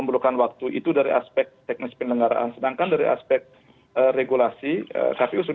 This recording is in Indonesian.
berusaha soal pemenangan pemilu dua ribu dua puluh empat